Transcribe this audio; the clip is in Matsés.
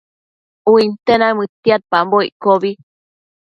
Uinte naimëdtiadpambo iccobi